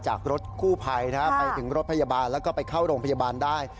จากรถกู้ภัยไปถึงรถพยาบาลแล้วก็ไปเข้าโรงพยาบาลได้